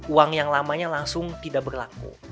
uang yang lamanya langsung tidak berlaku